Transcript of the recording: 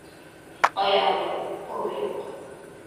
Аяғы юҡ, ҡулы юҡ